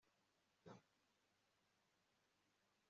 Nari kuri terefone nyuma ya saa sita